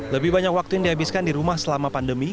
lebih banyak waktu yang dihabiskan di rumah selama pandemi